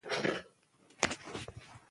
پامیر د افغان ځوانانو لپاره دلچسپي لري.